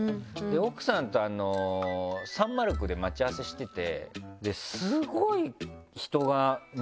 奥さんとサンマルクで待ち合わせしてて。